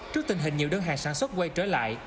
trước tình hình nhiều đơn hàng sản xuất quay trở lại